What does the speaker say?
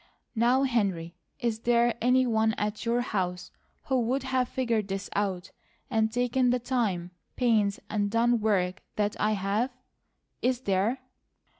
Now, Henry, is there any one at your house who would have figured this out, and taken the time, pains, and done work that I have? Is there?"